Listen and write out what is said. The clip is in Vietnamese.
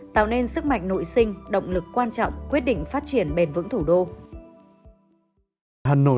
tạo nên sức mạnh nội sinh động lực quan trọng quyết định phát triển bền vững thủ đô